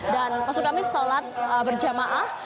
dan masuk kami salat berjamaah